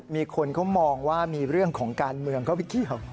มีคนเขามองว่ามีเรื่องของการเมืองเข้าไปเกี่ยว